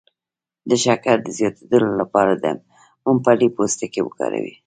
د شکر د زیاتیدو لپاره د ممپلی پوستکی وکاروئ